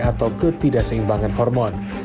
atau ketidaseimbangan hormon